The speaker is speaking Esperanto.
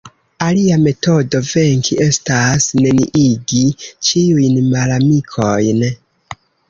Alia metodo venki estas neniigi ĉiujn malamikojn.